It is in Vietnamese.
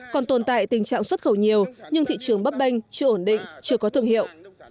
còn tồn tại tình trạng xuất khẩu nhiều nhưng thị trường bấp bênh chưa ổn định chưa có thương hiệu